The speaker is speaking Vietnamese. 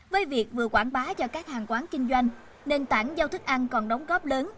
với việc vừa quảng bá cho các hàng quán kinh doanh nền tảng giao thức ăn còn đóng góp lớn